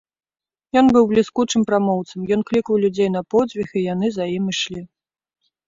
Ён быў бліскучым прамоўцам, ён клікаў людзей на подзвіг, і яны за ім ішлі.